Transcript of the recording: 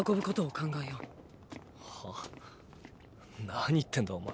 何言ってんだお前。